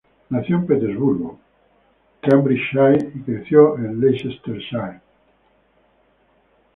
Nació en Peterborough, Cambridgeshire, y creció en Leicestershire.